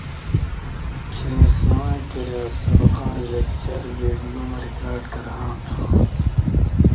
کھیں سِواں کریا سبقاں لېکچره وِڈیو مہ ریکاڈ کرہاں تھہ۔